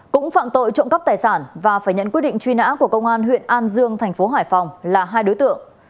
cũng phạm tội trộm cắp tài sản và phải nhận quyết định truy nã của công an huyện an dương thành phố hải phòng là hai đối tượng